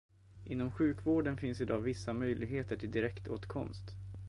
Inom sjukvården finns i dag vissa möjligheter till direktåtkomst.